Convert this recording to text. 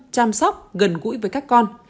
chăm sóc gần gũi với các con